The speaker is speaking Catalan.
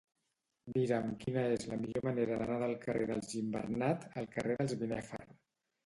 Mira'm quina és la millor manera d'anar del carrer dels Gimbernat al carrer de Binèfar.